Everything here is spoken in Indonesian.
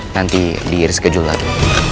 nanti direskeju lagi